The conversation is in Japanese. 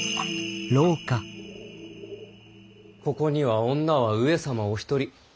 ここには女は上様お一人。